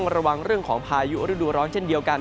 ระวังเรื่องของพายุฤดูร้อนเช่นเดียวกัน